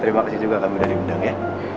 terima kasih juga kami sudah diundang ya